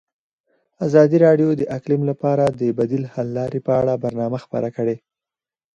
ازادي راډیو د اقلیم لپاره د بدیل حل لارې په اړه برنامه خپاره کړې.